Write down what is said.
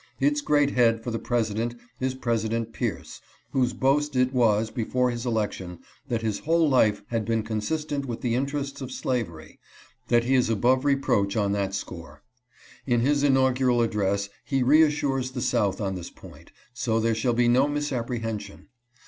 Its great head for the president is President Pierce, whose boast it was before his election, that his whole life had been consistent with the interests of slavery — that he is above reproach on that score. In his inaugural address he reassures the South on this point, so there shall be no misapprehension.